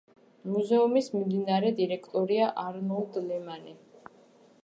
მუზეუმის მიმდინარე დირექტორია არნოლდ ლემანი.